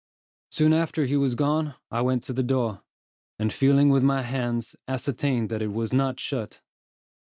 Soon after he was gone, I went to the door, and feeling with my hands, ascertained that it was not shut.